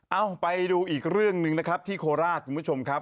ไปดูอีกเรื่องหนึ่งนะครับที่โคราชคุณผู้ชมครับ